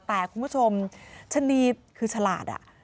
แต่คุณผู้ชมชะนีคือฉลาด